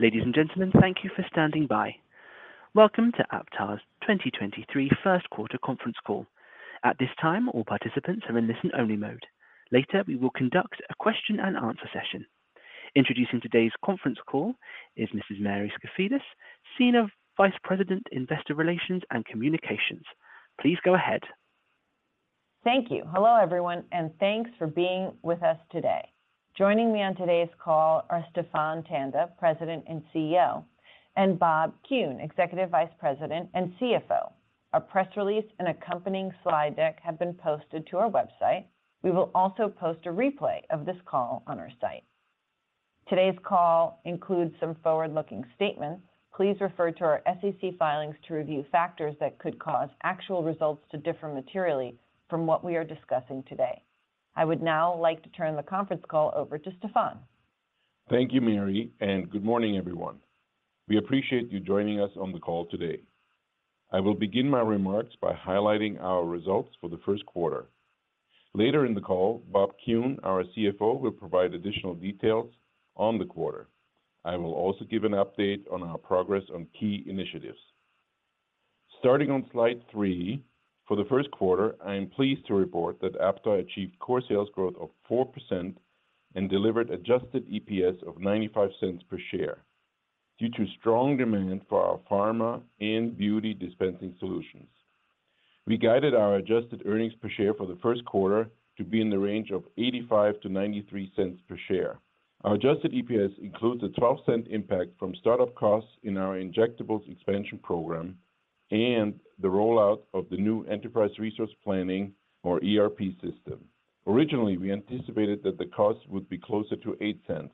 Ladies and gentlemen, thank you for standing by. Welcome to Aptar's 2023 first quarter conference call. At this time, all participants are in listen-only mode. Later, we will conduct a question and answer session. Introducing today's conference call is Mrs. Mary Skafidas, Senior Vice President, Investor Relations and Communications. Please go ahead. Thank you. Hello, everyone, and thanks for being with us today. Joining me on today's call are Stephan Tanda, President and CEO, and Bob Kuhn, Executive Vice President and CFO. Our press release and accompanying slide deck have been posted to our website. We will also post a replay of this call on our site. Today's call includes some forward-looking statements. Please refer to our SEC filings to review factors that could cause actual results to differ materially from what we are discussing today. I would now like to turn the conference call over to Stephan. Thank you, Mary, and good morning, everyone. We appreciate you joining us on the call today. I will begin my remarks by highlighting our results for the first quarter. Later in the call, Bob Kuhn, our CFO, will provide additional details on the quarter. I will also give an update on our progress on key initiatives. Starting on slide three, for the first quarter, I am pleased to report that Aptar achieved core sales growth of 4% and delivered adjusted EPS of $0.95 per share due to strong demand for our pharma and beauty dispensing solutions. We guided our adjusted earnings per share for the first quarter to be in the range of $0.85-$0.93 per share. Our adjusted EPS includes a $0.12 impact from start-up costs in our injectables expansion program and the rollout of the new enterprise resource planning or ERP system. Originally, we anticipated that the cost would be closer to $0.08.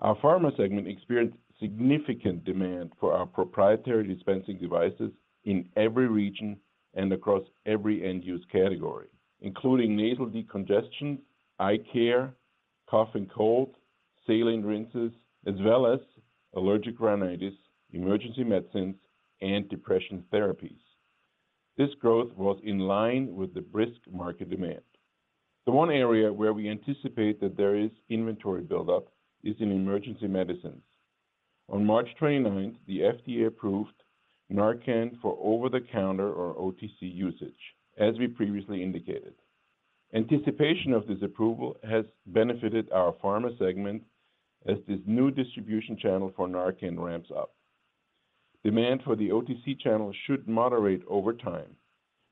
Our pharma segment experienced significant demand for our proprietary dispensing devices in every region and across every end-use category, including nasal decongestants, eye care, cough and cold, saline rinses, as well as allergic rhinitis, emergency medicines, and depression therapies. This growth was in line with the brisk market demand. The one area where we anticipate that there is inventory buildup is in emergency medicines. On March 29th, the FDA approved Narcan for over-the-counter or OTC usage, as we previously indicated. Anticipation of this approval has benefited our pharma segment as this new distribution channel for Narcan ramps up. Demand for the OTC channel should moderate over time.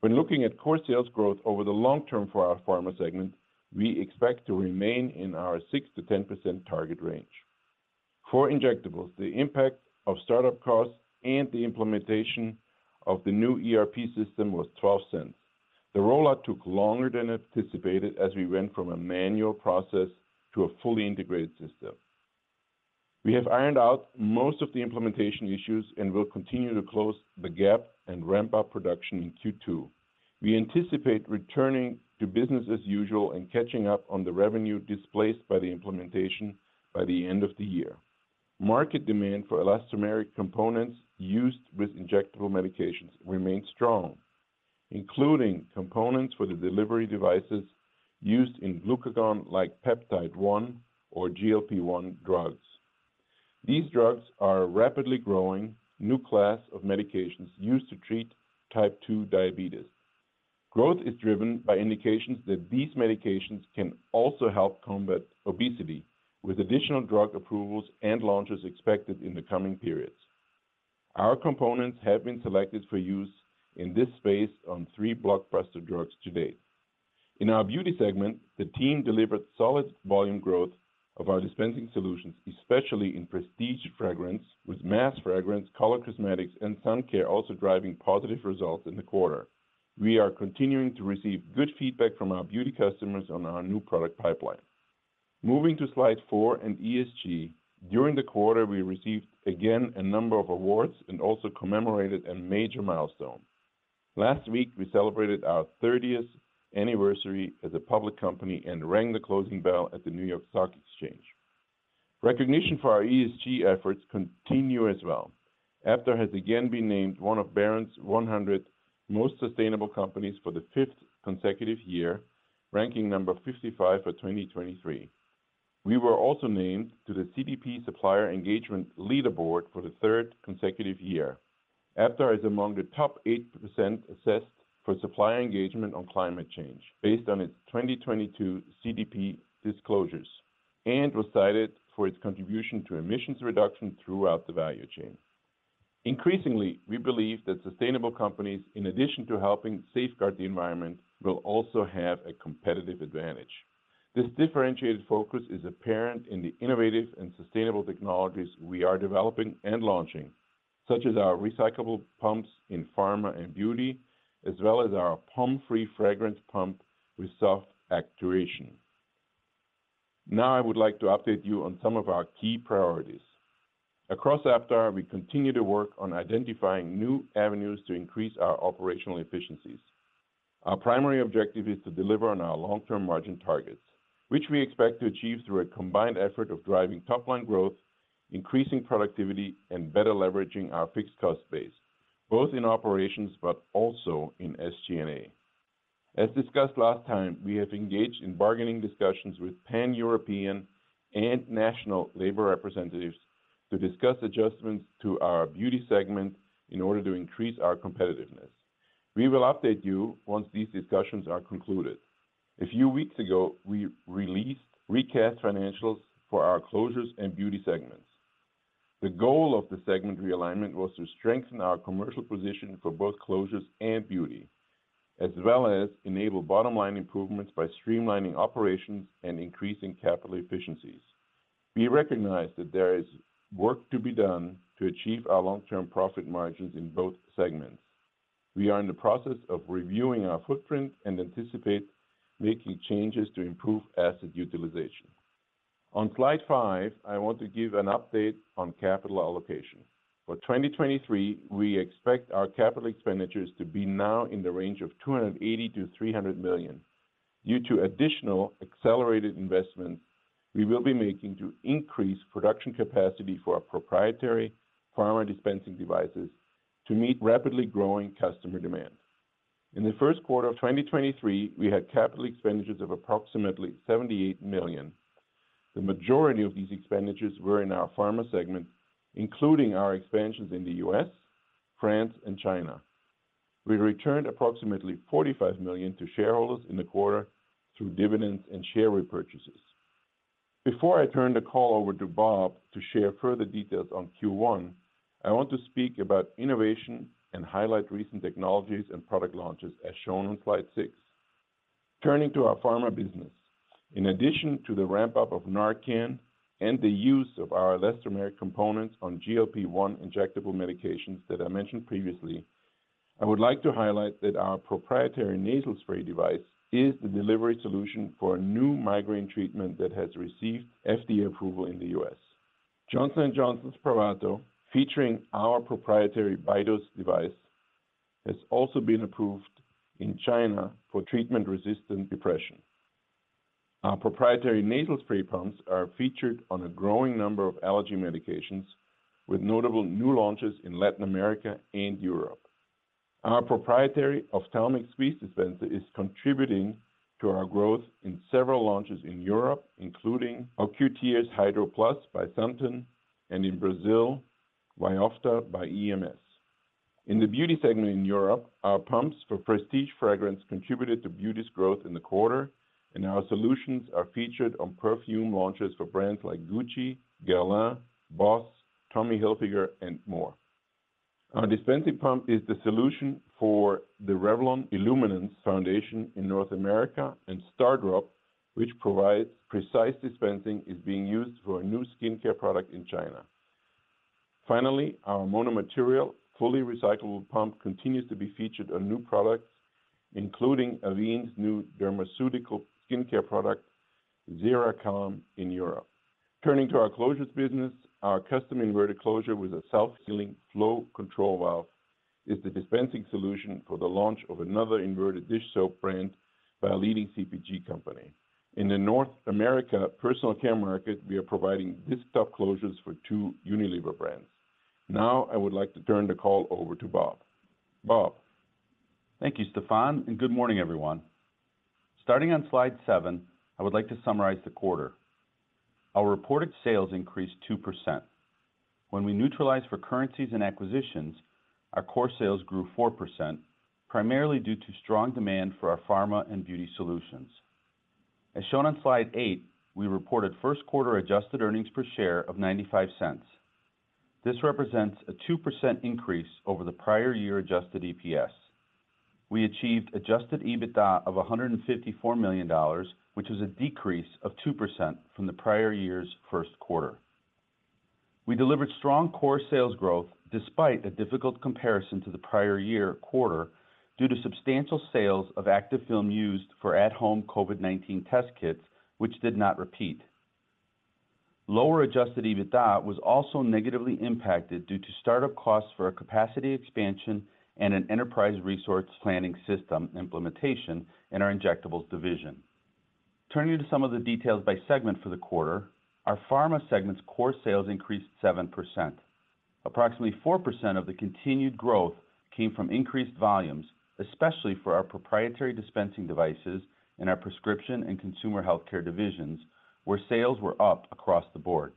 When looking at core sales growth over the long term for our pharma segment, we expect to remain in our 6%-10% target range. For injectables, the impact of start-up costs and the implementation of the new ERP system was $0.12. The rollout took longer than anticipated as we went from a manual process to a fully integrated system. We have ironed out most of the implementation issues and will continue to close the gap and ramp up production in Q2. We anticipate returning to business as usual and catching up on the revenue displaced by the implementation by the end of the year. Market demand for elastomeric components used with injectable medications remains strong, including components for the delivery devices used in glucagon-like peptide one or GLP-1 drugs. These drugs are a rapidly growing new class of medications used to treat type two diabetes. Growth is driven by indications that these medications can also help combat obesity with additional drug approvals and launches expected in the coming periods. Our components have been selected for use in this space on three blockbuster drugs to date. In our beauty segment, the team delivered solid volume growth of our dispensing solutions, especially in prestige fragrance with mass fragrance, color cosmetics, and sun care also driving positive results in the quarter. We are continuing to receive good feedback from our beauty customers on our new product pipeline. Moving to slide four and ESG, during the quarter, we received again a number of awards and also commemorated a major milestone. Last week, we celebrated our 30th anniversary as a public company and rang the closing bell at the New York Stock Exchange. Recognition for our ESG efforts continue as well. Aptar has again been named one of Barron's 100 most sustainable companies for the fifth consecutive year, ranking number 55 for 2023. We were also named to the CDP Supplier Engagement Leaderboard for the third consecutive year. Aptar is among the top 8% assessed for supplier engagement on climate change based on its 2022 CDP disclosures and was cited for its contribution to emissions reduction throughout the value chain. Increasingly, we believe that sustainable companies, in addition to helping safeguard the environment, will also have a competitive advantage. This differentiated focus is apparent in the innovative and sustainable technologies we are developing and launching, such as our recyclable pumps in pharma and beauty, as well as our pump-free fragrance pump with soft actuation. I would like to update you on some of our key priorities. Across Aptar, we continue to work on identifying new avenues to increase our operational efficiencies. Our primary objective is to deliver on our long-term margin targets, which we expect to achieve through a combined effort of driving top-line growth, increasing productivity, and better leveraging our fixed cost base, both in operations but also in SG&A. As discussed last time, we have engaged in bargaining discussions with Pan-European and national labor representatives to discuss adjustments to our Beauty segment in order to increase our competitiveness. We will update you once these discussions are concluded. A few weeks ago, we released recast financials for our Closures and Beauty segments. The goal of the segment realignment was to strengthen our commercial position for both Closures and Beauty, as well as enable bottom-line improvements by streamlining operations and increasing capital efficiencies. We recognize that there is work to be done to achieve our long-term profit margins in both segments. We are in the process of reviewing our footprint and anticipate making changes to improve asset utilization. On slide five, I want to give an update on capital allocation. For 2023, we expect our capital expenditures to be now in the range of $280 million-$300 million. Due to additional accelerated investments we will be making to increase production capacity for our proprietary pharma dispensing devices to meet rapidly growing customer demand. In the first quarter of 2023, we had capital expenditures of approximately $78 million. The majority of these expenditures were in our Pharma segment, including our expansions in the U.S., France, and China. We returned approximately $45 million to shareholders in the quarter through dividends and share repurchases. Before I turn the call over to Bob to share further details on Q1, I want to speak about innovation and highlight recent technologies and product launches as shown on slide six. Turning to our Pharma business. In addition to the ramp-up of Narcan and the use of our elastomeric components on GLP-1 injectable medications that I mentioned previously, I would like to highlight that our proprietary nasal spray device is the delivery solution for a new migraine treatment that has received FDA approval in the U.S. Johnson & Johnson's SPRAVATO, featuring our proprietary Bidose device, has also been approved in China for treatment-resistant depression. Our proprietary nasal spray pumps are featured on a growing number of allergy medications, with notable new launches in Latin America and Europe. Our proprietary ophthalmic squeeze dispenser is contributing to our growth in several launches in Europe, including Ocutears Hydro+ by Santen and in Brazil, ViOfta by EMS. In the Beauty segment in Europe, our pumps for prestige fragrance contributed to Beauty's growth in the quarter, and our solutions are featured on perfume launches for brands like Gucci, Guerlain, Boss, Tommy Hilfiger, and more. Our dispensing pump is the solution for the Revlon Illuminance Foundation in North America, and Star Drop, which provides precise dispensing, is being used for a new skincare product in China. Finally, our mono material, fully recyclable pump continues to be featured on new products, including Avène's new dermaceutical skincare product, XeraCalm, in Europe. Turning to our Closures business, our custom inverted closure with a self-healing flow control valve is the dispensing solution for the launch of another inverted dish soap brand by a leading CPG company. In the North America personal care market, we are providing disc top closures for two Unilever brands. Now, I would like to turn the call over to Bob. Bob? Thank you, Stephan, and good morning, everyone. Starting on slide seven, I would like to summarize the quarter. Our reported sales increased 2%. When we neutralize for currencies and acquisitions, our core sales grew 4%, primarily due to strong demand for our pharma and beauty solutions. As shown on slide eight, we reported first quarter adjusted earnings per share of $0.95. This represents a 2% increase over the prior year adjusted EPS. We achieved adjusted EBITDA of $154 million, which was a decrease of 2% from the prior year's first quarter. We delivered strong core sales growth despite a difficult comparison to the prior year quarter due to substantial sales of active film used for at-home COVID-19 test kits, which did not repeat. Lower adjusted EBITDA was also negatively impacted due to start-up costs for a capacity expansion and an enterprise resource planning system implementation in our injectables division. Turning to some of the details by segment for the quarter, our Pharma segment's core sales increased 7%. Approximately 4% of the continued growth came from increased volumes, especially for our proprietary dispensing devices in our prescription and consumer healthcare divisions, where sales were up across the board.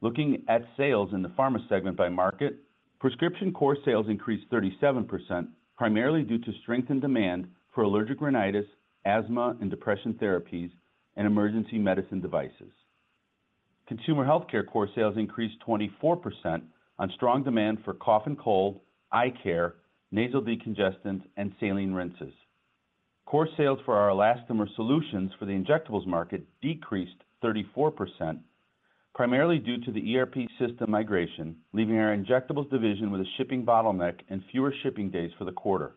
Looking at sales in the Pharma segment by market, prescription core sales increased 37%, primarily due to strengthened demand for allergic rhinitis, asthma and depression therapies, and emergency medicine devices. Consumer healthcare core sales increased 24% on strong demand for cough and cold, eye care, nasal decongestants, and saline rinses. Core sales for our elastomeric solutions for the injectables market decreased 34%, primarily due to the ERP system migration, leaving our injectables division with a shipping bottleneck and fewer shipping days for the quarter.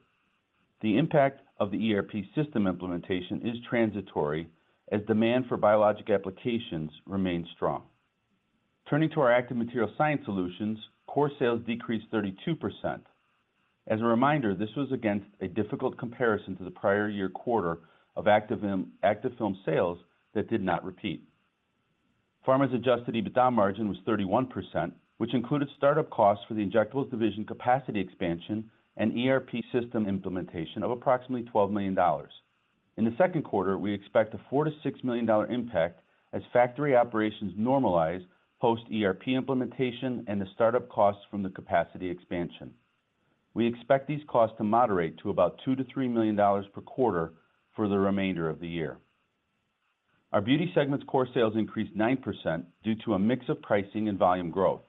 The impact of the ERP system implementation is transitory as demand for biologic applications remains strong. Turning to our active material science solutions, core sales decreased 32%. As a reminder, this was against a difficult comparison to the prior year quarter of active film sales that did not repeat. Pharma's adjusted EBITDA margin was 31%, which included startup costs for the injectables division capacity expansion and ERP system implementation of approximately $12 million. In the second quarter, we expect a $4 million-$6 million impact as factory operations normalize post-ERP implementation and the startup costs from the capacity expansion. We expect these costs to moderate to about $2 million-$3 million per quarter for the remainder of the year. Our beauty segment's core sales increased 9% due to a mix of pricing and volume growth.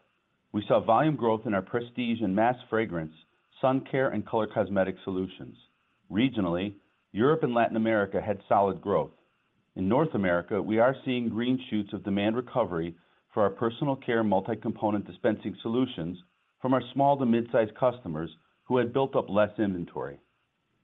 We saw volume growth in our prestige and mass fragrance, sun care, and color cosmetic solutions. Regionally, Europe and Latin America had solid growth. In North America, we are seeing green shoots of demand recovery for our personal care multi-component dispensing solutions from our small to mid-size customers who had built up less inventory.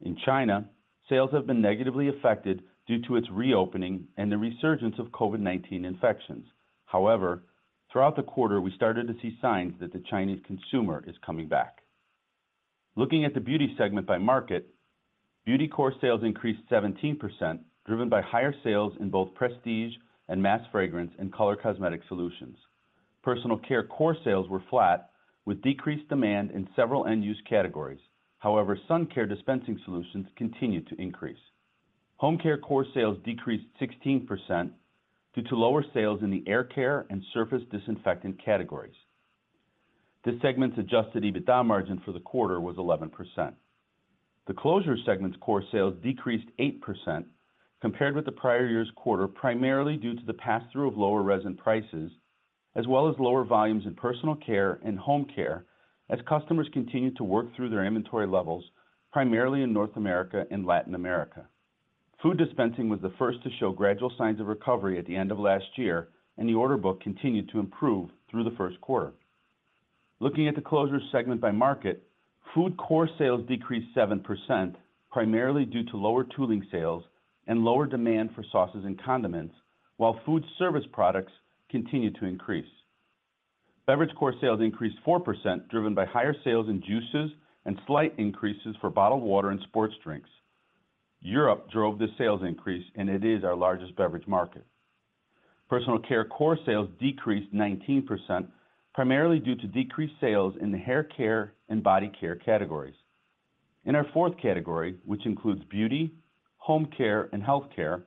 In China, sales have been negatively affected due to its reopening and the resurgence of COVID-19 infections. Throughout the quarter, we started to see signs that the Chinese consumer is coming back. Looking at the beauty segment by market, beauty core sales increased 17%, driven by higher sales in both prestige and mass fragrance and color cosmetic solutions. Personal care core sales were flat with decreased demand in several end-use categories. However, sun care dispensing solutions continued to increase. Home care core sales decreased 16% due to lower sales in the air care and surface disinfectant categories. This segment's adjusted EBITDA margin for the quarter was 11%. The closure segment's core sales decreased 8% compared with the prior year's quarter, primarily due to the pass-through of lower resin prices as well as lower volumes in personal care and home care as customers continued to work through their inventory levels, primarily in North America and Latin America. Food dispensing was the first to show gradual signs of recovery at the end of last year, and the order book continued to improve through the first quarter. Looking at the closure segment by market, food core sales decreased 7%, primarily due to lower tooling sales and lower demand for sauces and condiments, while food service products continued to increase. Beverage core sales increased 4%, driven by higher sales in juices and slight increases for bottled water and sports drinks. Europe drove this sales increase, and it is our largest beverage market. Personal care core sales decreased 19%, primarily due to decreased sales in the hair care and body care categories. In our fourth category, which includes beauty, home care, and healthcare,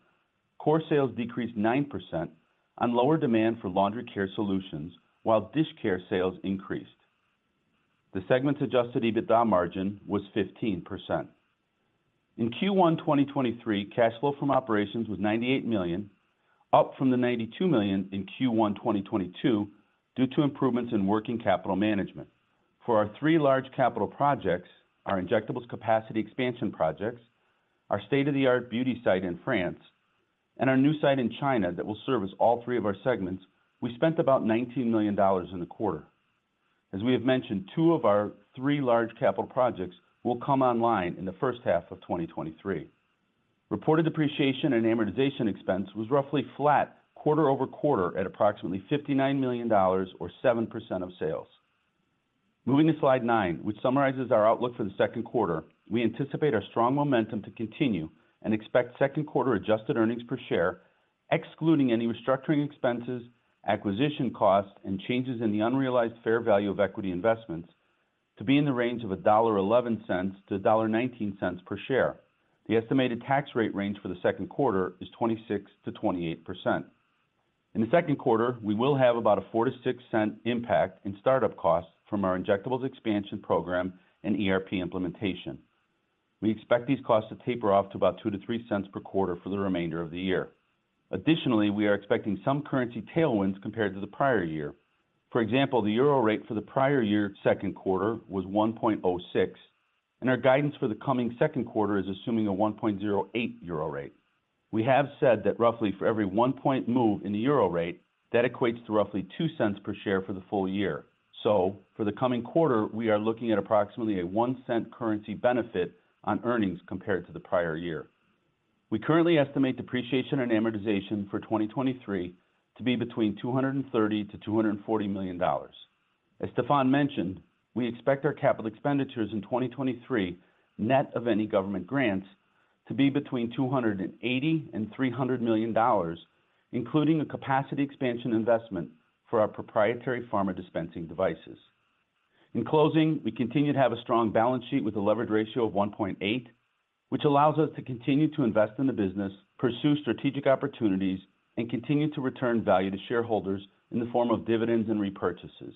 core sales decreased 9% on lower demand for laundry care solutions while dish care sales increased. The segment's adjusted EBITDA margin was 15%. In Q1 2023, cash flow from operations was $98 million, up from the $92 million in Q1 2022 due to improvements in working capital management. For our three large capital projects, our injectables capacity expansion projects, our state-of-the-art beauty site in France, and our new site in China that will service all three of our segments, we spent about $19 million in the quarter. As we have mentioned, two of our three large capital projects will come online in the first half of 2023. Reported depreciation and amortization expense was roughly flat quarter-over-quarter at approximately $59 million or 7% of sales. Moving to slide nine, which summarizes our outlook for the second quarter, we anticipate our strong momentum to continue and expect second quarter adjusted earnings per share, excluding any restructuring expenses, acquisition costs, and changes in the unrealized fair value of equity investments to be in the range of $1.11-$1.19 per share. The estimated tax rate range for the second quarter is 26%-28%. In the second quarter, we will have about a $0.04-$0.06 impact in start-up costs from our injectables expansion program and ERP implementation. We expect these costs to taper off to about $0.02-$0.03 per quarter for the remainder of the year. Additionally, we are expecting some currency tailwinds compared to the prior year. For example, the EUR rate for the prior year second quarter was 1.06, and our guidance for the coming second quarter is assuming a 1.08 euro rate. We have said that roughly for every one point move in the EUR rate, that equates to roughly $0.02 per share for the full year. For the coming quarter, we are looking at approximately a $0.01 currency benefit on earnings compared to the prior year. We currently estimate depreciation and amortization for 2023 to be between $230 million-$240 million. As Stefan mentioned, we expect our capital expenditures in 2023, net of any government grants, to be between $280 million and $300 million, including a capacity expansion investment for our proprietary pharma dispensing devices. In closing, we continue to have a strong balance sheet with a leverage ratio of 1.8, which allows us to continue to invest in the business, pursue strategic opportunities, and continue to return value to shareholders in the form of dividends and repurchases.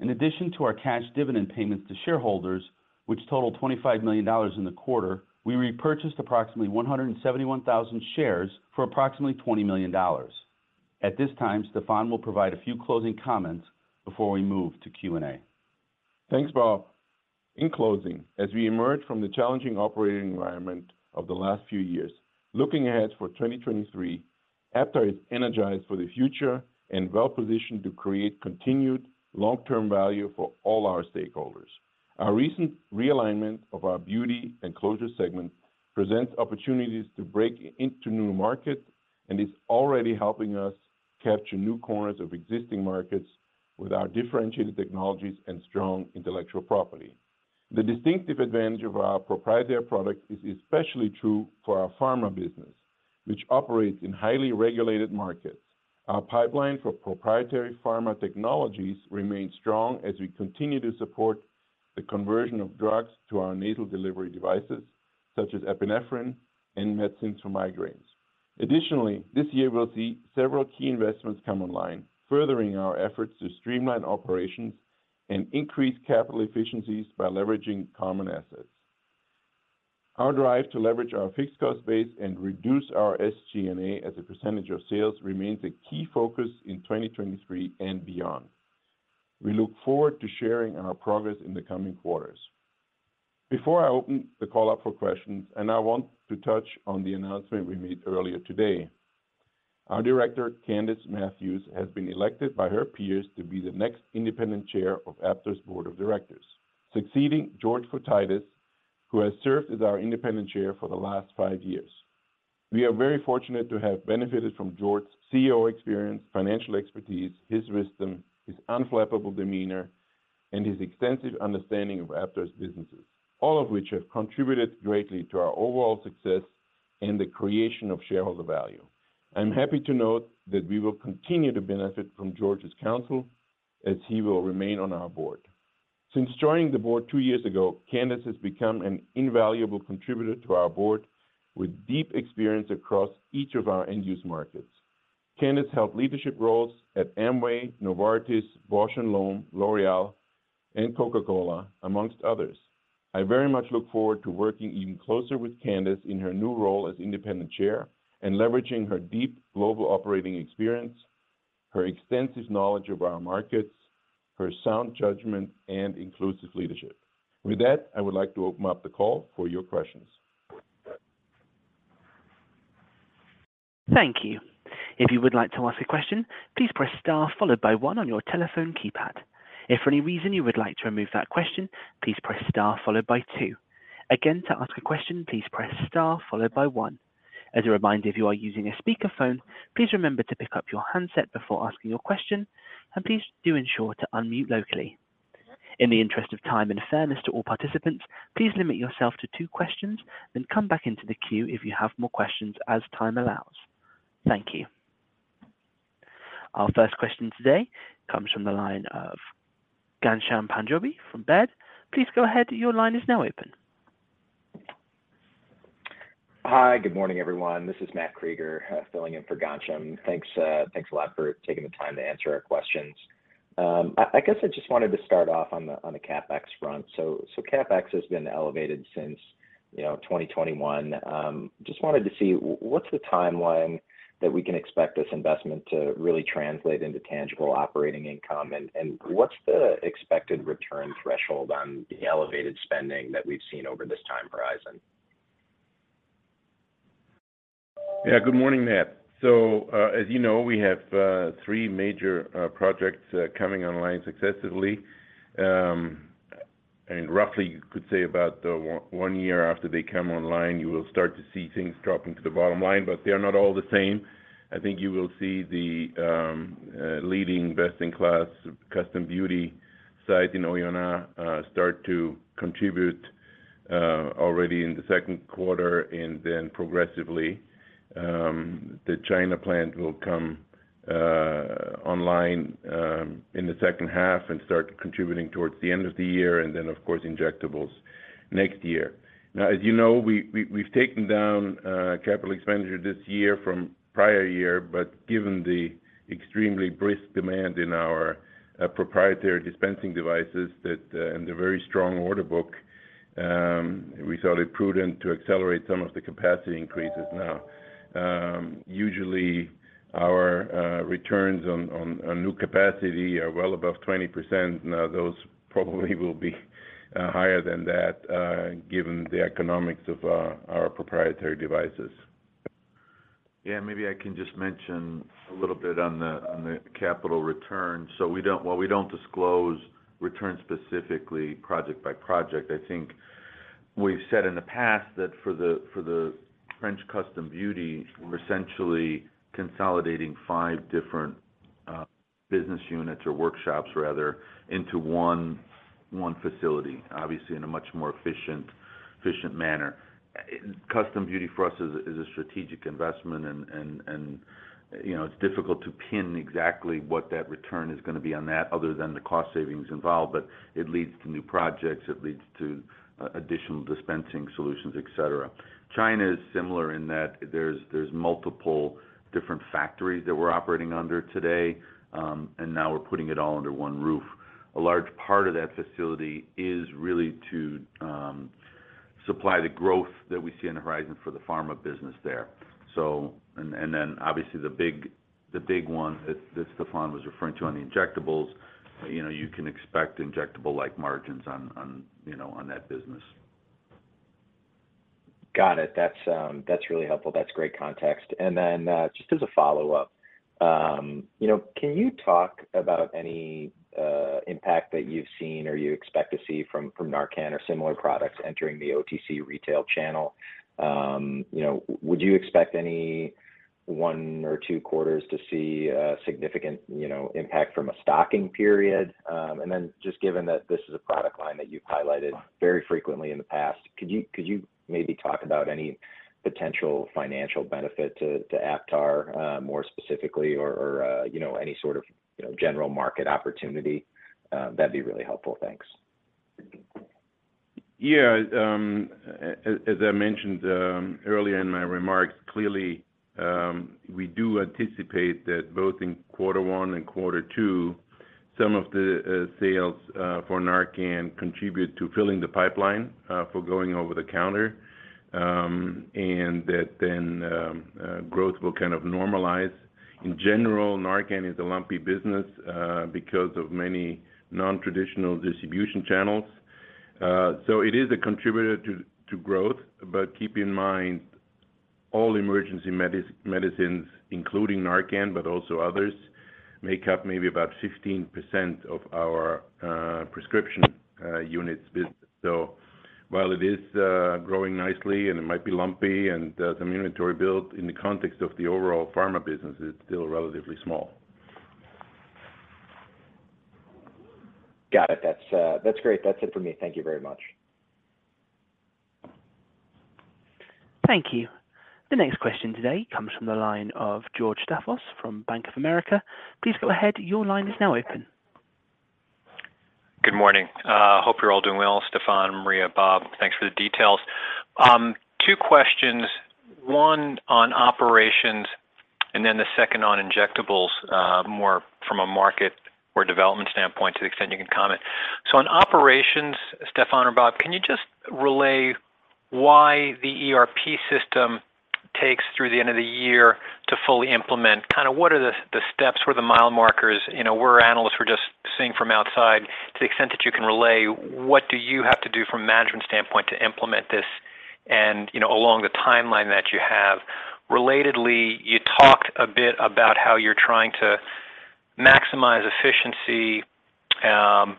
In addition to our cash dividend payments to shareholders, which totaled $25 million in the quarter, we repurchased approximately 171,000 shares for approximately $20 million. At this time, Stephan will provide a few closing comments before we move to Q&A. Thanks, Bob. In closing, as we emerge from the challenging operating environment of the last few years, looking ahead for 2023, Aptar is energized for the future and well-positioned to create continued long-term value for all our stakeholders. Our recent realignment of our beauty and closure segment presents opportunities to break into new markets and is already helping us capture new corners of existing markets with our differentiated technologies and strong intellectual property. The distinctive advantage of our proprietary product is especially true for our pharma business, which operates in highly regulated markets. Our pipeline for proprietary pharma technologies remains strong as we continue to support the conversion of drugs to our nasal delivery devices, such as epinephrine and medicines for migraines. Additionally, this year we'll see several key investments come online, furthering our efforts to streamline operations and increase capital efficiencies by leveraging common assets. Our drive to leverage our fixed cost base and reduce our SG&A as a percentage of sales remains a key focus in 2023 and beyond. We look forward to sharing on our progress in the coming quarters. Before I open the call up for questions, and I want to touch on the announcement we made earlier today. Our director, Candace Matthews, has been elected by her peers to be the next independent chair of Aptar's Board of Directors, succeeding George Fotiades, who has served as our independent chair for the last five years. We are very fortunate to have benefited from George's CEO experience, financial expertise, his wisdom, his unflappable demeanor, and his extensive understanding of Aptar's businesses, all of which have contributed greatly to our overall success and the creation of shareholder value. I'm happy to note that we will continue to benefit from George's counsel as he will remain on our board. Since joining the board two years ago, Candace has become an invaluable contributor to our board with deep experience across each of our end use markets. Candace held leadership roles at Amway, Novartis, Bausch + Lomb, L'Oréal, and Coca-Cola, amongst others. I very much look forward to working even closer with Candace in her new role as independent chair and leveraging her deep global operating experience, her extensive knowledge of our markets, her sound judgment, and inclusive leadership. With that, I would like to open up the call for your questions. Thank you. If you would like to ask a question, please press star followed by one on your telephone keypad. If for any reason you would like to remove that question, please press star followed by two. Again, to ask a question, please press star followed by one. As a reminder, if you are using a speakerphone, please remember to pick up your handset before asking your question, and please do ensure to unmute locally. In the interest of time and fairness to all participants, please limit yourself to two questions and come back into the queue if you have more questions as time allows. Thank you. Our first question today comes from the line of Ghansham Panjabi from Baird. Please go ahead. Your line is now open. Hi. Good morning, everyone. This is Matthew Krueger, filling in for Ghansham. Thanks, thanks a lot for taking the time to answer our questions. I guess I just wanted to start off on the CapEx front. CapEx has been elevated since, you know, 2021. Just wanted to see what's the timeline that we can expect this investment to really translate into tangible operating income? What's the expected return threshold on the elevated spending that we've seen over this time horizon? Good morning, Matt. As you know, we have three major projects coming online successively. Roughly you could say about one year after they come online, you will start to see things dropping to the bottom line, but they are not all the same. I think you will see the leading best in class custom beauty site in Oyonnax start to contribute already in the second quarter, and then progressively the China plant will come online in the second half and start contributing towards the end of the year, and then of course injectables next year. As you know, we've taken down capital expenditure this year from prior year. Given the extremely brisk demand in our proprietary dispensing devices that and the very strong order book, we thought it prudent to accelerate some of the capacity increases now. Usually our returns on new capacity are well above 20%. Those probably will be higher than that given the economics of our proprietary devices. Yeah, maybe I can just mention a little bit on the, on the capital return. We don't disclose returns specifically project by project. I think we've said in the past that for the, for the French custom beauty, we're essentially consolidating five different business units or workshops rather into one facility, obviously in a much more efficient manner. Custom beauty for us is a strategic investment and, you know, it's difficult to pin exactly what that return is gonna be on that other than the cost savings involved, but it leads to new projects. It leads to additional dispensing solutions, et cetera. China is similar in that there's multiple different factories that we're operating under today, and now we're putting it all under one roof. A large part of that facility is really to supply the growth that we see on the horizon for the pharma business there. Obviously the big, the big one that Stephan was referring to on the injectables, you know, you can expect injectable like margins on, you know, on that business. Got it. That's, that's really helpful. That's great context. just as a follow-up, you know, can you talk about any impact that you've seen or you expect to see from Narcan or similar products entering the OTC retail channel? You know, would you expect any one or two quarters to see a significant, you know, impact from a stocking period? just given that this is a product line that you've highlighted very frequently in the past, could you maybe talk about any potential financial benefit to Aptar, more specifically or, you know, any sort of, you know, general market opportunity? That'd be really helpful. Thanks. Yeah. As I mentioned, earlier in my remarks, clearly, we do anticipate that both in quarter one and quarter two, some of the sales for Narcan contribute to filling the pipeline for going over the counter. That then growth will kind of normalize. In general, Narcan is a lumpy business because of many non-traditional distribution channels. It is a contributor to growth. Keep in mind, all emergency medicines, including Narcan, but also others, make up maybe about 15% of our prescription units business. While it is growing nicely, and it might be lumpy and some inventory build, in the context of the overall pharma business, it's still relatively small. Got it. That's, that's great. That's it for me. Thank you very much. Thank you. The next question today comes from the line of George Staphos from Bank of America. Please go ahead. Your line is now open. Good morning. Hope you're all doing well. Stephan, Mary, Bob, thanks for the details. Two questions, one on operations, and then the second on injectables, more from a market or development standpoint to the extent you can comment. On operations, Stephan or Bob, can you just relay why the ERP system takes through the end of the year to fully implement? Kind of what are the steps or the mile markers? You know, we're analysts, we're just seeing from outside. To the extent that you can relay, what do you have to do from a management standpoint to implement this and, you know, along the timeline that you have. Relatedly, you talked a bit about how you're trying to maximize efficiency,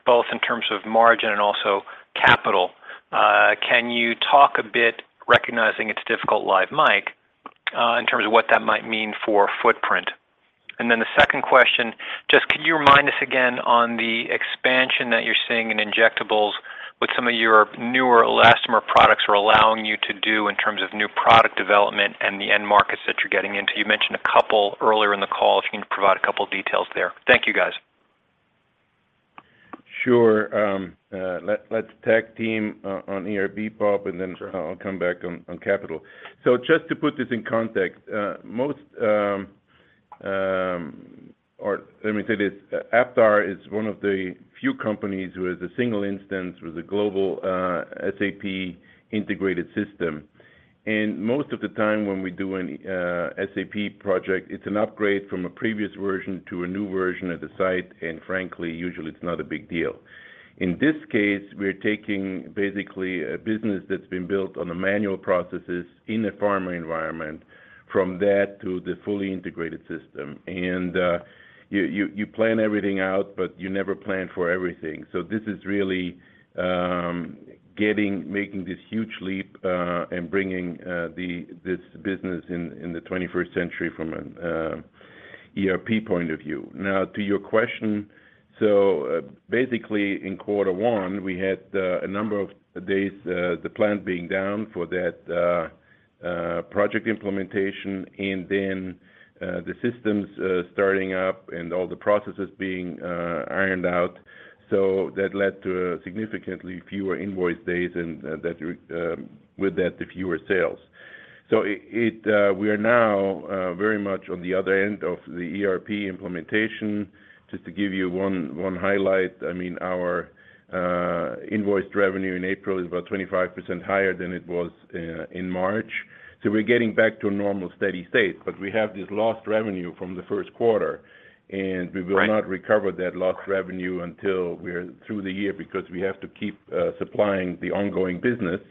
both in terms of margin and also capital. Can you talk a bit, recognizing it's difficult live mic, in terms of what that might mean for footprint? The second question, just could you remind us again on the expansion that you're seeing in injectables with some of your newer elastomer products are allowing you to do in terms of new product development and the end markets that you're getting into? You mentioned a couple earlier in the call. If you can provide a couple of details there. Thank you, guys. Sure. Let's tag team on ERP, Bob, and thenI'll come back on capital. Just to put this in context, or let me say this, Aptar is one of the few companies who has a single instance with a global SAP integrated system. Most of the time when we do an SAP project, it's an upgrade from a previous version to a new version at the site. Frankly, usually it's not a big deal. In this case, we're taking basically a business that's been built on the manual processes in a pharma environment, from that to the fully integrated system. You plan everything out, but you never plan for everything. This is really making this huge leap in bringing this business in the twenty-first century from an ERP point of view. Now to your question. Basically in quarter one, we had a number of days, the plant being down for that project implementation and then the systems starting up and all the processes being ironed out. That led to significantly fewer invoice days and with that, the fewer sales. It, we are now very much on the other end of the ERP implementation. Just to give you one highlight, I mean, our invoiced revenue in April is about 25% higher than it was in March. We're getting back to a normal steady state, but we have this lost revenue from the first quarter, and we will- Right. Not recover that lost revenue until we're through the year because we have to keep supplying the ongoing business.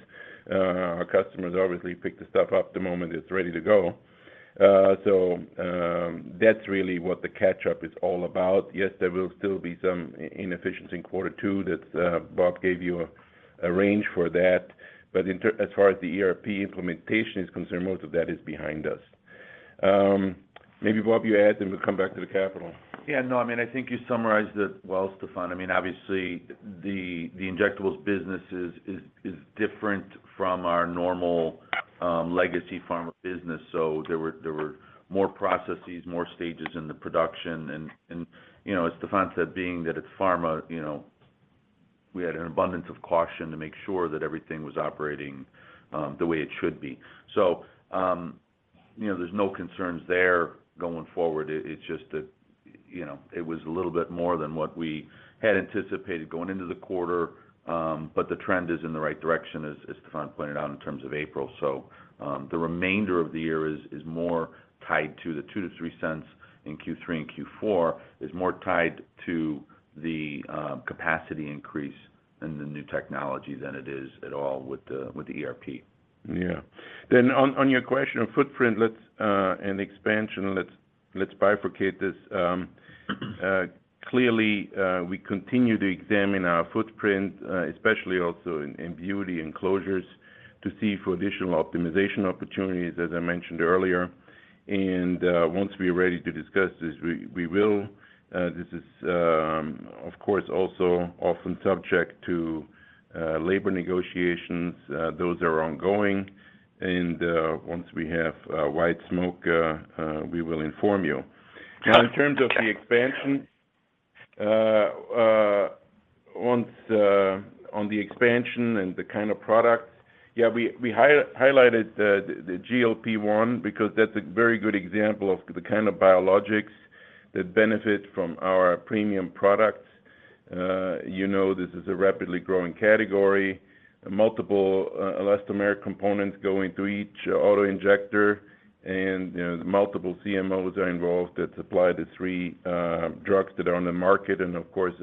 Our customers obviously pick the stuff up the moment it's ready to go. That's really what the catch-up is all about. Yes, there will still be some inefficiency in quarter two that Bob gave you a range for that. As far as the ERP implementation is concerned, most of that is behind us. Maybe Bob, you add and we'll come back to the capital. Yeah, no, I mean, I think you summarized it well, Stephan. I mean, obviously the injectables business is different from our normal legacy pharma business. There were more processes, more stages in the production. And, you know, as Stefan said, being that it's pharma, you know, we had an abundance of caution to make sure that everything was operating the way it should be. You know, there's no concerns there going forward. It's just that, you know, it was a little bit more than what we had anticipated going into the quarter. The trend is in the right direction, as Stefan pointed out in terms of April. The remainder of the year is more tied to the $0.02-$0.03 in Q3 and Q4, is more tied to the capacity increase and the new technology than it is at all with the ERP. On your question of footprint, let's and expansion, let's bifurcate this. Clearly, we continue to examine our footprint, especially also in beauty and closures to see for additional optimization opportunities, as I mentioned earlier. Once we are ready to discuss this, we will. This is, of course, also often subject to labor negotiations. Those are ongoing. Once we have white smoke, we will inform you. In terms of the expansion, once on the expansion and the kind of products, we highlighted the GLP-1 because that's a very good example of the kind of biologics that benefit from our premium products. You know, this is a rapidly growing category. Multiple elastomeric components go into each autoinjector. You know, the multiple CMOs are involved that supply the three drugs that are on the market. Of course,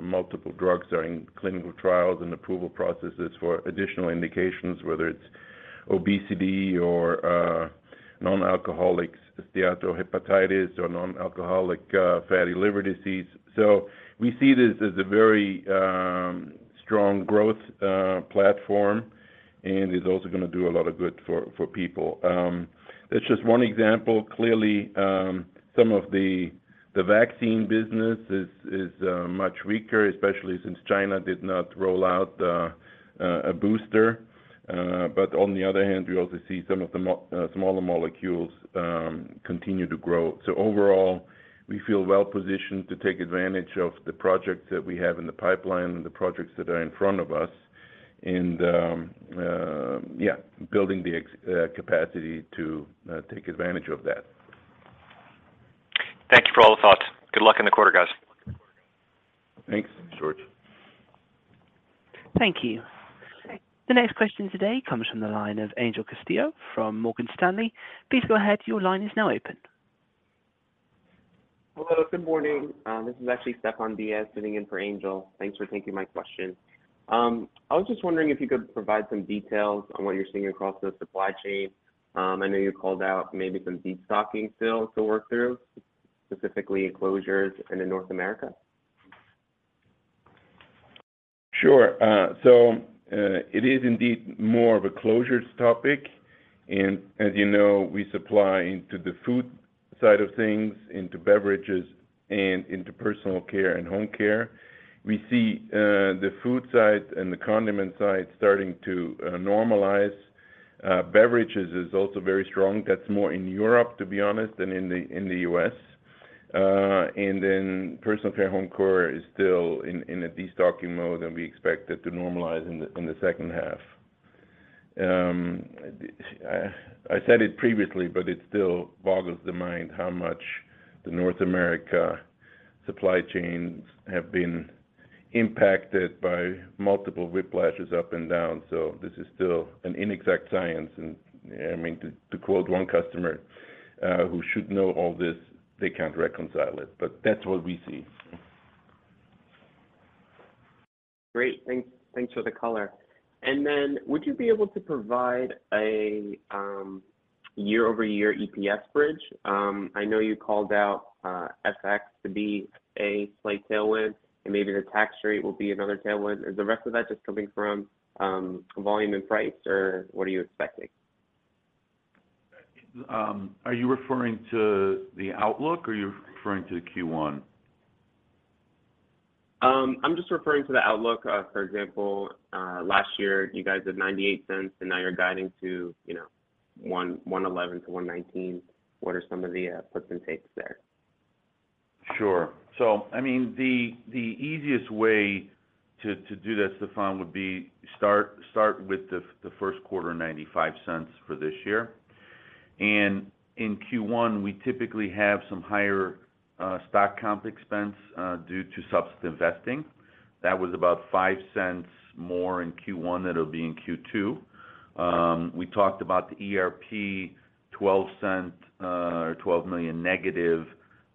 multiple drugs are in clinical trials and approval processes for additional indications, whether it's obesity or nonalcoholic steatohepatitis or non-alcoholic fatty liver disease. We see this as a very, strong growth platform, and it's also gonna do a lot of good for people. That's just one example. Clearly, some of the vaccine business is much weaker, especially since China did not roll out a booster. On the other hand, we also see some of the smaller molecules continue to grow. Overall, we feel well positioned to take advantage of the projects that we have in the pipeline and the projects that are in front of us and, yeah, building the capacity to take advantage of that. Thank you for all the thoughts. Good luck in the quarter, guys. Thanks. Thanks, George. Thank you. The next question today comes from the line of Angel Castillo from Morgan Stanley. Please go ahead. Your line is now open. Hello, good morning. This is actually Stefan Diaz sitting in for Angel. Thanks for taking my question. I was just wondering if you could provide some details on what you're seeing across the supply chain. I know you called out maybe some deep stocking still to work through, specifically in closures and in North America. Sure. It is indeed more of a closures topic. As you know, we supply into the food side of things, into beverages, and into personal care and home care. We see the food side and the condiment side starting to normalize. Beverages is also very strong. That's more in Europe, to be honest, than in the U.S. Personal care home care is still in a destocking mode, and we expect it to normalize in the second half. I said it previously, but it still boggles the mind how much the North America supply chains have been impacted by multiple whiplashes up and down. This is still an inexact science. I mean, to quote one customer, who should know all this, they can't reconcile it, but that's what we see. Great. Thanks, thanks for the color. Would you be able to provide a year-over-year EPS bridge? I know you called out FX to be a slight tailwind, and maybe the tax rate will be another tailwind. Is the rest of that just coming from volume and price, or what are you expecting? Are you referring to the outlook or you're referring to the Q1? I'm just referring to the outlook. For example, last year you guys did $0.98 and now you're guiding to, you know, $1.11-$1.19. What are some of the puts and takes there? Sure. I mean, the easiest way to do that, Stefan, would be start with the first quarter $0.95 for this year. In Q1, we typically have some higher stock comp expense due to substitute vesting. That was about $0.05 more in Q1 than it'll be in Q2. We talked about the ERP $12 million negative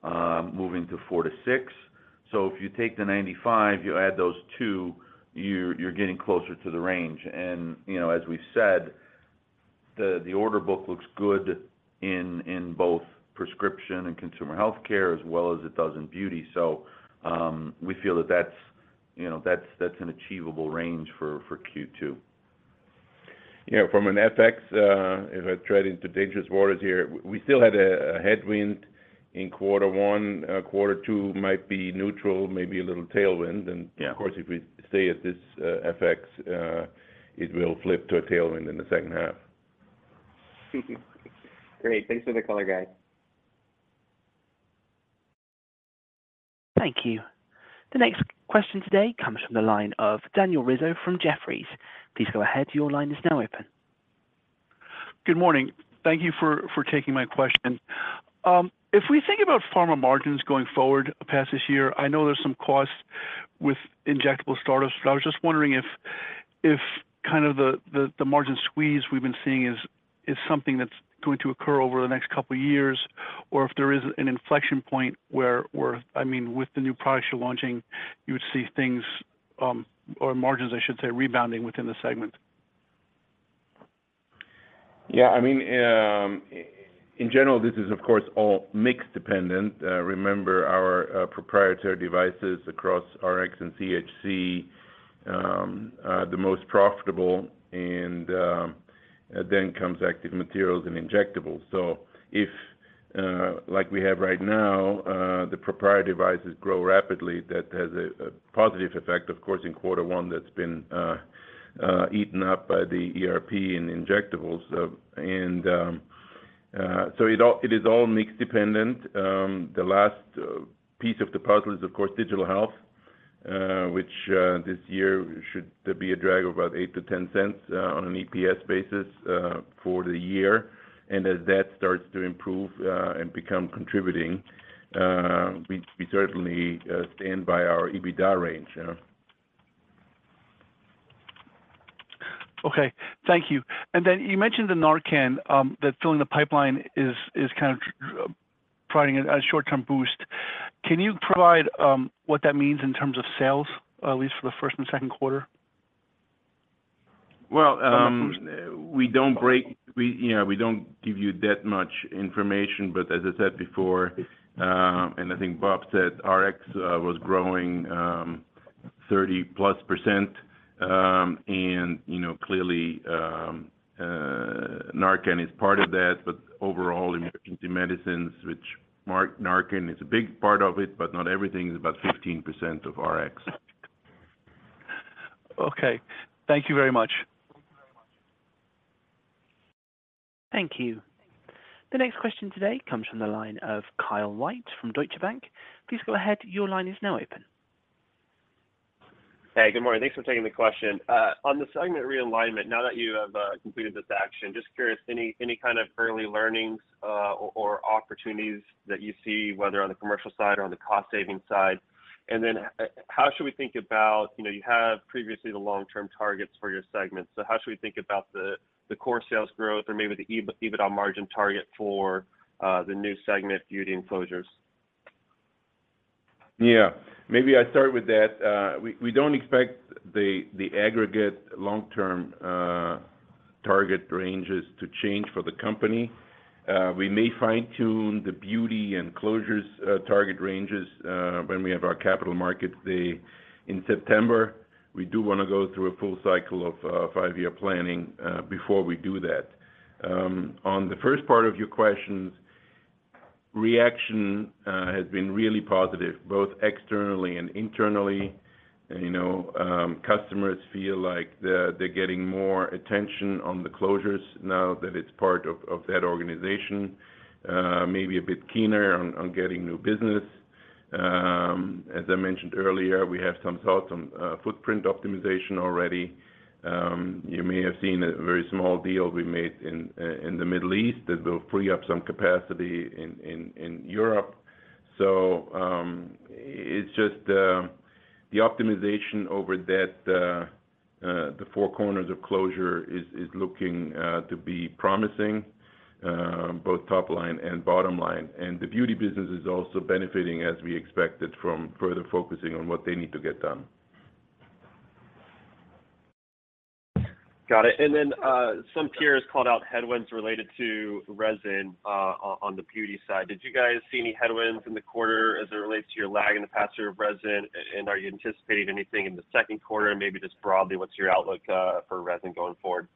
moving to $4 million-$6 million. If you take the $0.95, you add those two, you're getting closer to the range. you know, as we said, the order book looks good in both prescription and consumer healthcare as well as it does in beauty. we feel that that's, you know, that's an achievable range for Q2. Yeah. From an FX, if I tread into dangerous waters here, we still had a headwind in quarter one. quarter two might be neutral, maybe a little tailwind. Yeah Of course, if we stay at this, FX, it will flip to a tailwind in the second half. Great. Thanks for the color, guys. Thank you. The next question today comes from the line of Daniel Rizzo from Jefferies. Please go ahead. Your line is now open. Good morning. Thank you for taking my question. If we think about pharma margins going forward past this year, I know there's some costs with injectable startups, but I was just wondering if kind of the margin squeeze we've been seeing is something that's going to occur over the next couple of years, or if there is an inflection point where, I mean, with the new products you're launching, you would see things, or margins, I should say, rebounding within the segment? Yeah, I mean, in general, this is of course all mix dependent. Remember our proprietary devices across RX and CHC are the most profitable, and then comes active materials and injectables. If, like we have right now, the proprietary devices grow rapidly, that has a positive effect, of course, in quarter one that's been eaten up by the ERP and injectables. It is all mix dependent. The last piece of the puzzle is, of course, digital health, which this year should be a drag of about $0.08-$0.10 on an EPS basis for the year. As that starts to improve and become contributing, we certainly stand by our EBITDA range, yeah. Okay. Thank you. You mentioned the Narcan, that's filling the pipeline is kind of providing a short-term boost. Can you provide, what that means in terms of sales, at least for the first and second quarter? Well, we, you know, we don't give you that much information. As I said before, and I think Bob said, RX was growing 30%+. You know, clearly, Narcan is part of that. Overall, Emergency Medicines, which market Narcan is a big part of it, but not everything is about 15% of RX. Okay. Thank you very much. Thank you. The next question today comes from the line of Kyle White from Deutsche Bank. Please go ahead. Your line is now open. Hey, good morning. Thanks for taking the question. On the segment realignment, now that you have completed this action, just curious, any kind of early learnings or opportunities that you see, whether on the commercial side or on the cost saving side? How should we think about, you know, you have previously the long-term targets for your segments? How should we think about the core sales growth or maybe the EBITDA margin target for the new segment Beauty and Closures? Yeah. Maybe I start with that. We, we don't expect the aggregate long-term target ranges to change for the company. We may fine-tune the Beauty and Closures target ranges when we have our capital markets day in September. We do wanna go through a full cycle of five-year planning before we do that. On the first part of your questions, reaction has been really positive, both externally and internally. You know, customers feel like they're getting more attention on the closures now that it's part of that organization, maybe a bit keener on getting new business. As I mentioned earlier, we have some thoughts on footprint optimization already. You may have seen a very small deal we made in the Middle East that will free up some capacity in Europe. It's just the optimization over that, the four corners of closure is looking to be promising, both top line and bottom line. The beauty business is also benefiting, as we expected, from further focusing on what they need to get done. Got it. Then, some peers called out headwinds related to resin on the beauty side. Did you guys see any headwinds in the quarter as it relates to your lag in the pasture of resin? Are you anticipating anything in the second quarter? Maybe just broadly, what's your outlook for resin going forward?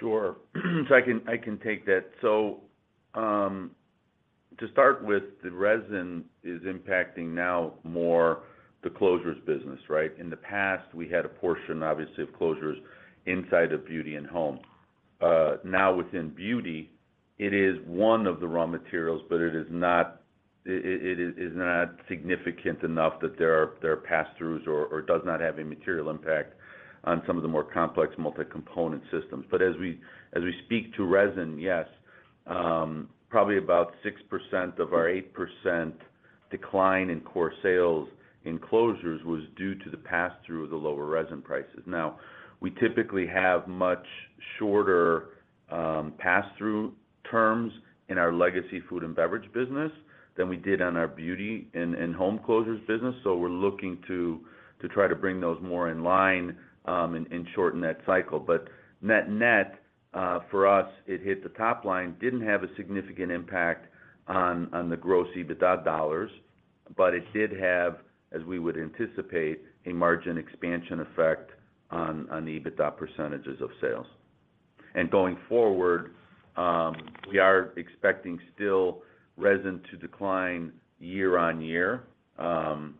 Sure. I can take that. To start with, the resin is impacting now more the Closures business, right? In the past, we had a portion, obviously, of closures inside of Beauty and Home. Now within Beauty, it is one of the raw materials, but it is not significant enough that there are pass-throughs or does not have a material impact on some of the more complex multi-component systems. As we speak to resin, yes, probably about 6% of our 8% decline in core sales in closures was due to the pass-through of the lower resin prices. We typically have much shorter pass-through terms in our legacy food and beverage business than we did on our Beauty and Home closures business. We're looking to try to bring those more in line, and shorten that cycle. Net, for us, it hit the top line, didn't have a significant impact on the gross EBITDA dollars, but it did have, as we would anticipate, a margin expansion effect on EBITDA percentages of sales. Going forward, we are expecting still resin to decline year-on-year. And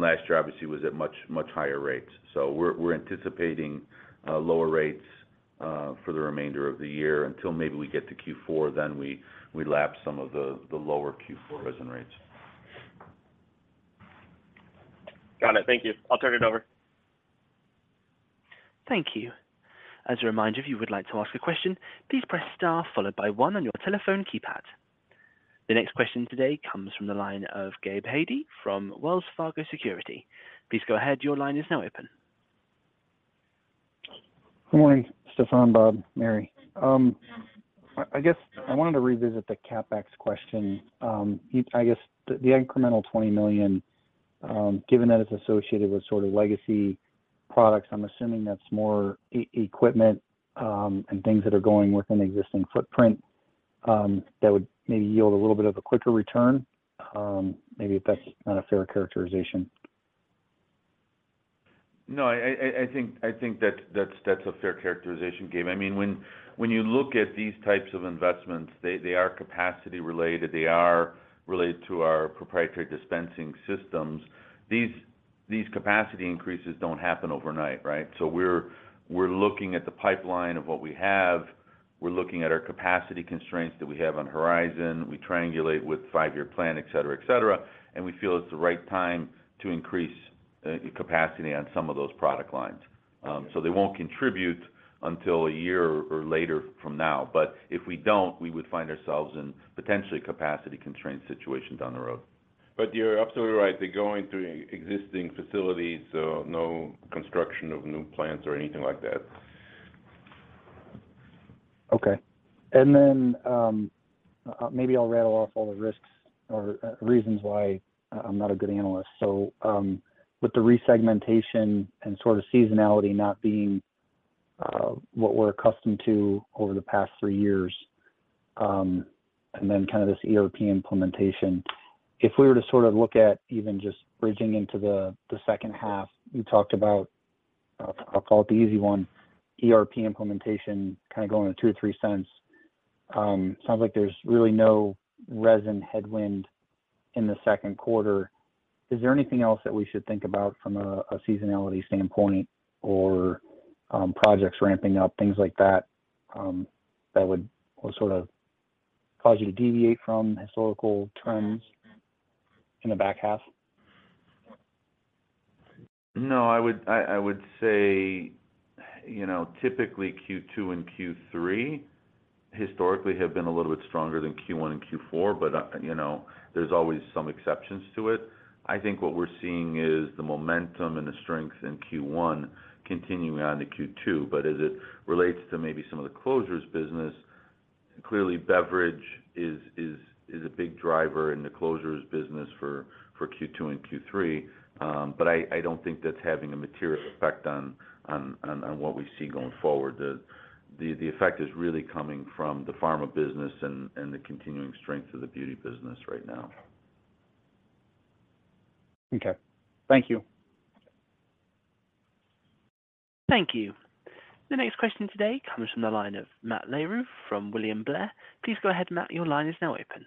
last year obviously was at much, much higher rates. We're anticipating lower rates for the remainder of the year until maybe we get to Q4, then we lap some of the lower Q4 resin rates. Got it. Thank you. I'll turn it over. Thank you. As a reminder, if you would like to ask a question, please press star followed by one on your telephone keypad. The next question today comes from the line of Gabe Hajde from Wells Fargo Securities. Please go ahead. Your line is now open. Good morning, Stephan, Bob, Mary. I guess I wanted to revisit the CapEx question. I guess the incremental $20 million, given that it's associated with sort of legacy products, I'm assuming that's more e-equipment, and things that are going within existing footprint, that would maybe yield a little bit of a quicker return, maybe if that's not a fair characterization. No, I think that's a fair characterization, Gabe. I mean, when you look at these types of investments, they are capacity related. They are related to our proprietary dispensing systems. These capacity increases don't happen overnight, right? We're looking at the pipeline of what we have. We're looking at our capacity constraints that we have on horizon. We triangulate with five-year plan, et cetera, and we feel it's the right time to increase capacity on some of those product lines. They won't contribute until a year or later from now. If we don't, we would find ourselves in potentially capacity constraint situations down the road. You're absolutely right. They're going through existing facilities, no construction of new plants or anything like that. Okay. Maybe I'll rattle off all the risks or reasons why I'm not a good analyst. With the resegmentation and sort of seasonality not being what we're accustomed to over the past three years, and then kind of this ERP implementation, if we were to sort of look at even just bridging into the second half, you talked about, I'll call it the easy one, ERP implementation kinda going at $0.02 or $0.03. Sounds like there's really no resin headwind in the second quarter. Is there anything else that we should think about from a seasonality standpoint or projects ramping up, things like that would sort of cause you to deviate from historical trends in the back half? No, I would, I would say, you know, typically Q2 and Q3 historically have been a little bit stronger than Q1 and Q4, but, you know, there's always some exceptions to it. I think what we're seeing is the momentum and the strength in Q1 continuing on to Q2. As it relates to maybe some of the closures business, clearly beverage is a big driver in the closures business for Q2 and Q3. I don't think that's having a material effect on what we see going forward. The effect is really coming from the pharma business and the continuing strength of the beauty business right now. Okay. Thank you. Thank you. The next question today comes from the line of Matt Larew from William Blair. Please go ahead, Matt, your line is now open.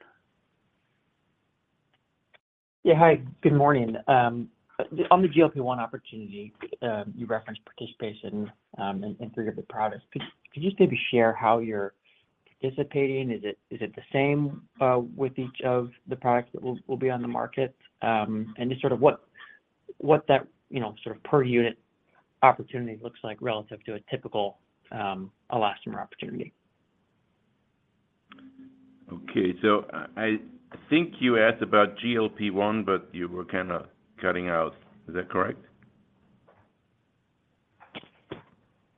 Yeah, hi. Good morning. On the GLP-1 opportunity, you referenced participation, in three of the products. Could you just maybe share how you're participating? Is it the same with each of the products that will be on the market? Just sort of what that, you know, sort of per unit opportunity looks like relative to a typical elastomer opportunity. Okay. I think you asked about GLP-1, but you were kinda cutting out. Is that correct?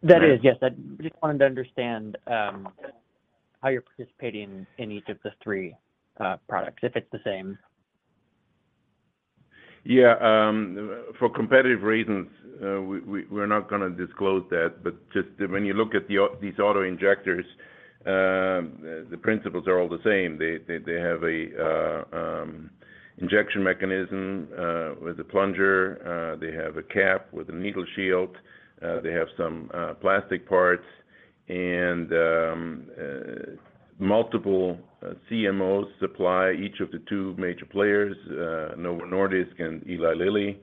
That is, yes. I just wanted to understand, how you're participating in each of the three products, if it's the same. Yeah. For competitive reasons, we're not gonna disclose that. Just when you look at these auto-injectors, the principles are all the same. They have an injection mechanism with a plunger. They have a cap with a needle shield. They have some plastic parts and multiple CMOs supply each of the two major players, Novo Nordisk and Eli Lilly.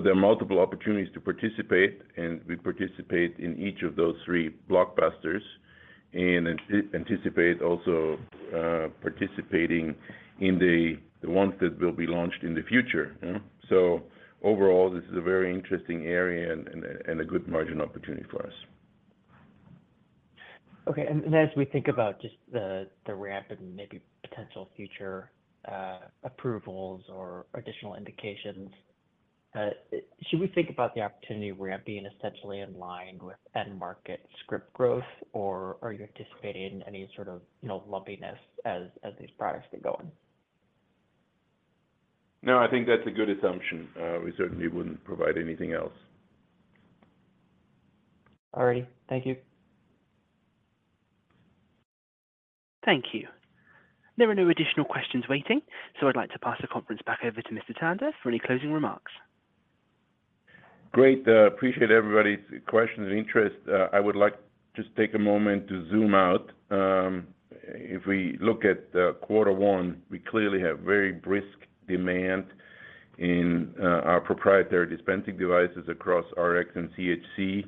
There are multiple opportunities to participate, and we participate in each of those three blockbusters and anticipate also participating in the ones that will be launched in the future. Overall, this is a very interesting area and a good margin opportunity for us. Okay. As we think about just the ramp and maybe potential future approvals or additional indications, should we think about the opportunity ramp being essentially in line with end market script growth, or are you anticipating any sort of, you know, lumpiness as these products get going? No, I think that's a good assumption. We certainly wouldn't provide anything else. All righty. Thank you. Thank you. There are no additional questions waiting, so I'd like to pass the conference back over to Mr. Tanda for any closing remarks. Great. I appreciate everybody's questions and interest. I would like just take a moment to zoom out. If we look at, quarter one, we clearly have very brisk demand in our proprietary dispensing devices across RX and OTC,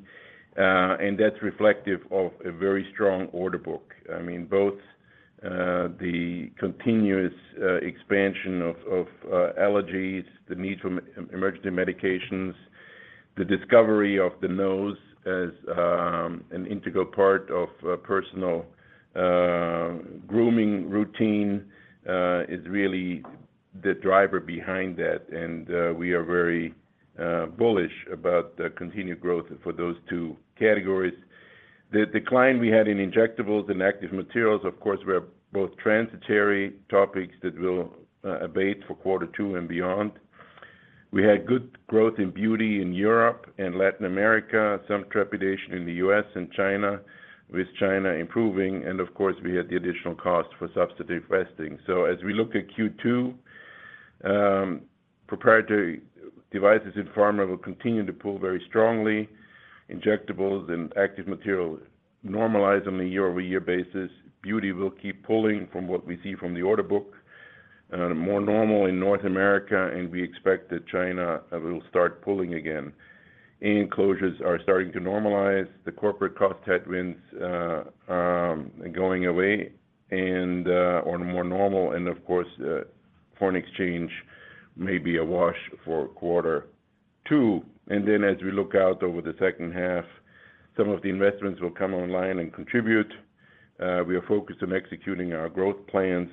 and that's reflective of a very strong order book. I mean, both, the continuous expansion of allergies, the need for emergency medications, the discovery of the nose as an integral part of a personal grooming routine, is really the driver behind that. We are very bullish about the continued growth for those two categories. The decline we had in injectables and active materials, of course, were both transitory topics that will abate for quarter two and beyond. We had good growth in Beauty in Europe and Latin America, some trepidation in the U.S. and China, with China improving, and of course, we had the additional cost for nonsubstantive vesting. As we look at Q2, proprietary devices in pharma will continue to pull very strongly. Injectables and active material normalize on a year-over-year basis. Beauty will keep pulling from what we see from the order book, more normal in North America, and we expect that China will start pulling again. Enclosures are starting to normalize. The corporate cost headwinds are going away and on a more normal and of course, foreign exchange may be a wash for quarter two. As we look out over the second half, some of the investments will come online and contribute. We are focused on executing our growth plans.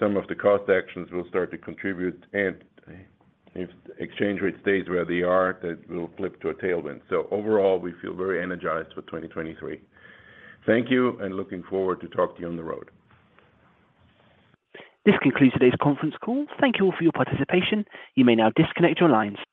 Some of the cost actions will start to contribute, and if the exchange rate stays where they are, that will flip to a tailwind. Overall, we feel very energized for 2023. Thank you. Looking forward to talk to you on the road. This concludes today's conference call. Thank you all for your participation. You may now disconnect your lines.